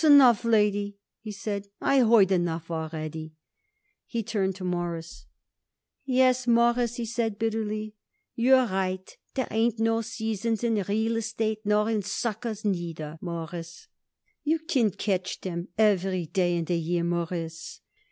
"S'enough, lady," he said; "I heard enough already." He turned to Morris. "Yes, Mawruss," he said bitterly. "You're right. There ain't no seasons in real estate nor in suckers neither, Mawruss. You can catch 'em every day in the year, Mawruss.